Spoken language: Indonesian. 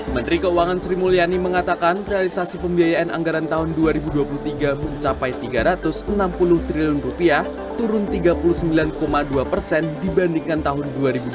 menteri keuangan sri mulyani mengatakan realisasi pembiayaan anggaran tahun dua ribu dua puluh tiga mencapai rp tiga ratus enam puluh triliun turun tiga puluh sembilan dua persen dibandingkan tahun dua ribu dua puluh